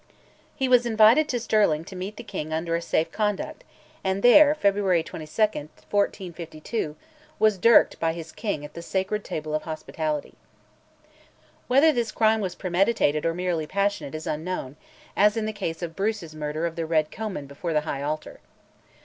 He was invited to Stirling to meet the king under a safe conduct, and there (February 22, 1452) was dirked by his king at the sacred table of hospitality. Whether this crime was premeditated or merely passionate is unknown, as in the case of Bruce's murder of the Red Comyn before the high altar.